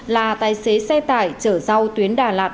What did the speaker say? là tài xế xe tải chở rau tuyến đà lạt